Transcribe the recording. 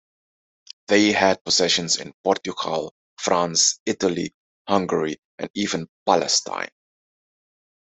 They had possessions in Portugal, France, Italy, Hungary, and even Palestine.